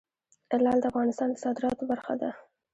لعل د افغانستان د صادراتو برخه ده.